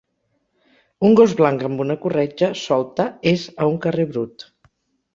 Un gos blanc amb una corretja solta és a un carrer brut.